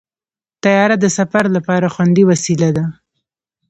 طیاره د سفر لپاره خوندي وسیله ده.